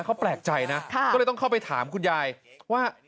เขาแปลกใจนะก็เลยต้องเข้าไปถามคุณยายว่า